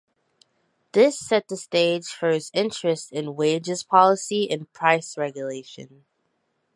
This set the stage for his interest in wages policy and price regulation.